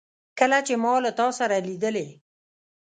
کله چي ما له تا سره لیدلې